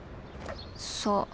そう。